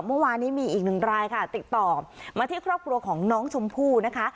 เมื่อวานนี้มีอีกหนึ่งรายค่ะติดต่อมาที่ครอบครัวของน้องชมพู่นะคะ